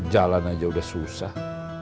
jalan aja udah susah